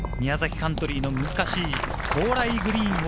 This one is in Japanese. カントリーの難しい高麗グリーンを